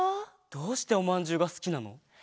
どうしておまんじゅうがすきなの？